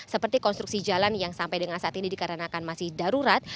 seperti konstruksi jalan yang sampai dengan saat ini dikarenakan masih darurat